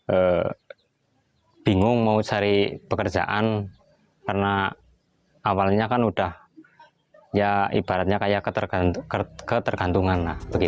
saya bingung mau cari pekerjaan karena awalnya kan udah ya ibaratnya kayak ketergantungan